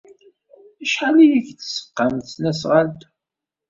Acḥal ay ak-d-tesqam tesnasɣalt-a?